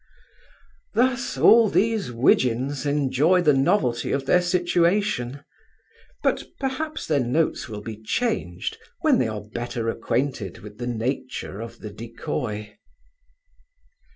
Thus all these widgeons enjoy the novelty of their situation; but, perhaps their notes will be changed, when they are better acquainted with the nature of the decoy.